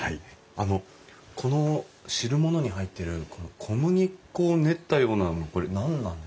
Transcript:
あのこの汁物に入ってるこの小麦粉を練ったようなのこれ何なんですか？